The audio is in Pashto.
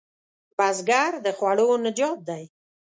بزګر د خوړو نجات دی